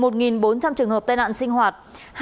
một bốn trăm linh trường hợp tai nạn sinh hoạt